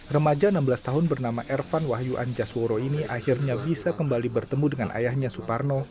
remaja enam belas tahun bernama ervan wahyu anjasworo ini akhirnya bisa kembali bertemu dengan ayahnya suparno